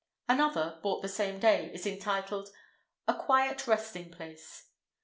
Another, bought the same day, is entitled:— A QUIET RESTING PLACE.